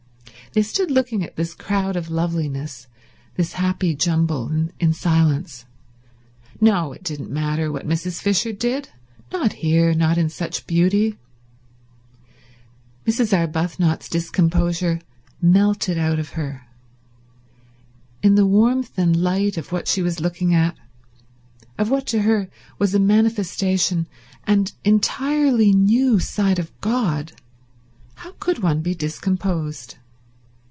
They stood looking at this crowd of loveliness, this happy jumble, in silence. No, it didn't matter what Mrs. Fisher did; not here; not in such beauty. Mrs. Arbuthnot's discomposure melted out of her. In the warmth and light of what she was looking at, of what to her was a manifestation, and entirely new side of God, how could one be discomposed?